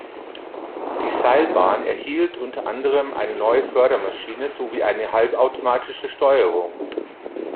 Die Seilbahn erhielt unter anderem eine neue Fördermaschine sowie eine halbautomatische Steuerung.